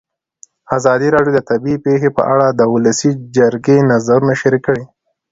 ازادي راډیو د طبیعي پېښې په اړه د ولسي جرګې نظرونه شریک کړي.